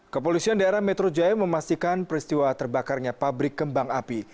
kepolisian daerah metro jaya memastikan peristiwa terbakarnya pabrik kembang api